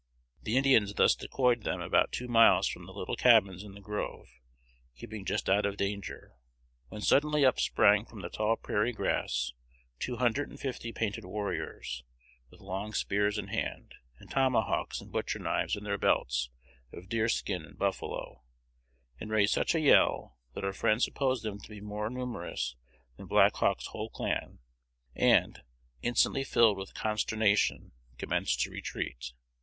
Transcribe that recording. The Indians thus decoyed them about two miles from the little cabins in the grove, keeping just out of danger, when suddenly up sprang from the tall prairie grass two hundred and fifty painted warriors, with long spears in hand, and tomahawks and butcher knives in their belts of deer skin and buffalo, and raised such a yell that our friends supposed them to be more numerous than Black Hawk's whole clan, and, instantly filled with consternation, commenced to retreat.